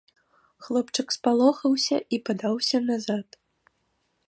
Хлопчык спалохаўся і падаўся назад.